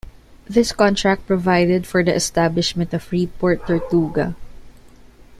This contract provided for the establishment of Freeport Tortuga.